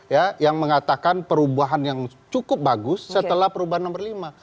ya yang mengatakan perubahan yang cukup bagus setelah perubahan nomor lima